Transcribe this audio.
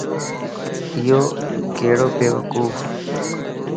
ايو ڪيڙو بيوقوفَ